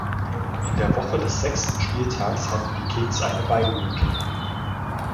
In der Woche des sechsten Spieltags hatten die Kings eine Bye Week.